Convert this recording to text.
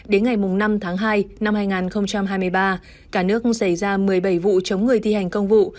đến ngày năm tháng hai năm hai nghìn hai mươi ba cả nước xảy ra một mươi bảy vụ chống người thi hành công vụ